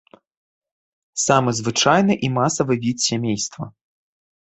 Самы звычайны і масавы від сямейства.